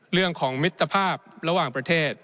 เรื่องของมิตรภาพระหว่างประเทศ